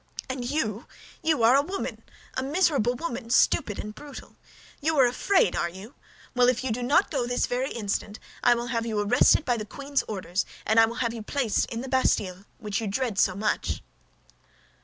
"And you, you are a woman—a miserable woman, stupid and brutal. You are afraid, are you? Well, if you do not go this very instant, I will have you arrested by the queen's orders, and I will have you placed in the Bastille which you dread so much."